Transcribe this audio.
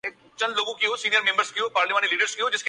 تمباکو نوشی کرنے والے کے پھیپھڑے متاثر ہوتے ہیں